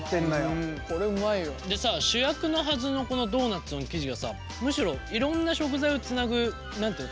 うんこれうまいよ。でさ主役のはずのこのドーナツの生地がさむしろいろんな食材をつなぐ何て言うのその中間になる。